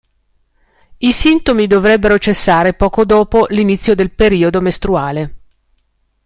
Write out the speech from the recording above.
I sintomi dovrebbero cessare poco dopo l'inizio del periodo mestruale.